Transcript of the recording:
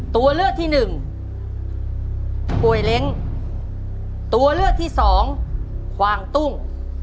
ตัวเลือกที่หนึ่งป่วยเล้งตัวเลือกที่สองควางตุ้ง